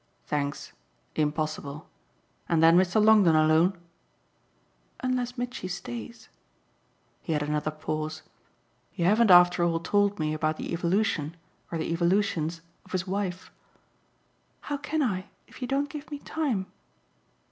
"Thanks impossible. And then Mr. Longdon alone?" "Unless Mitchy stays." He had another pause. "You haven't after all told me about the 'evolution' or the evolutions of his wife." "How can I if you don't give me time?"